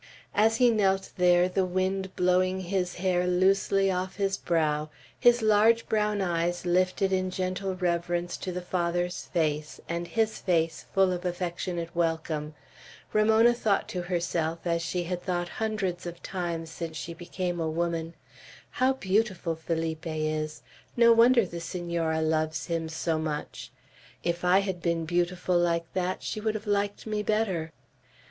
As he knelt there, the wind blowing his hair loosely off his brow, his large brown eyes lifted in gentle reverence to the Father's face, and his face full of affectionate welcome, Ramona thought to herself, as she had thought hundreds of times since she became a woman, "How beautiful Felipe is! No wonder the Senora loves him so much! If I had been beautiful like that she would have liked me better."